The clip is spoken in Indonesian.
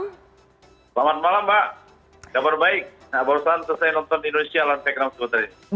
selamat malam mbak kabar baik barusan saya nonton indonesia lanjutkan